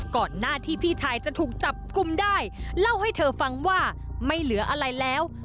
ก่อนหน้าที่พี่ชายจะถูกจับกลุ่มได้เล่าให้เธอฟังว่าไม่เหลืออะไรแล้ว